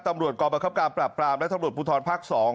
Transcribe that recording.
ตำรวจกรประคับการปราบกรามและตำรวจภูทรภาค๒